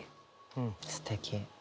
うんすてき。